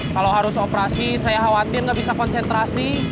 kalau harus operasi saya khawatir nggak bisa konsentrasi